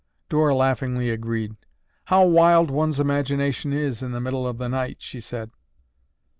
Dora laughingly agreed. "How wild one's imagination is in the middle of the night," she said.